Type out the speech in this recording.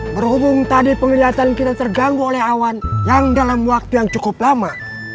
berhubung tadi penglihatan kita terganggu oleh awan yang dalam waktu yang cukup lama